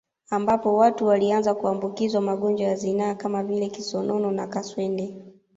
Ambapo watu walianza kuambukizwa magonjwa ya zinaa kama vile kisonono na kaswende